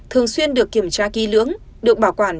thường xuyên được kiểm tra ký lưỡng được bảo quản